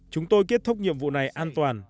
chúng tôi kết thúc nhiệm vụ này an toàn